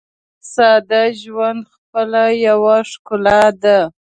ساده ژوند خپله یوه ښکلا ده.